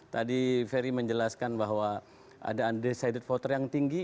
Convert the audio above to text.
tadi ferry menjelaskan bahwa ada undecided voter yang tinggi